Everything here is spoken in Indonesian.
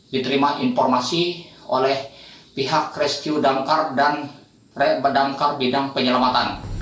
diterima informasi oleh pihak rescue damkar dan damkar bidang penyelamatan